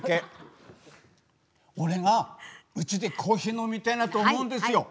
俺がうちでコーヒー飲みたいなと思うんですよ。